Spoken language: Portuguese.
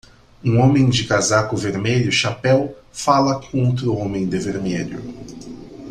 Um homem de casaco vermelho e chapéu fala com outro homem de vermelho.